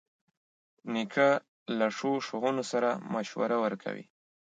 نیکه له ښو ښوونو سره مشوره ورکوي.